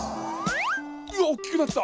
うわおっきくなった。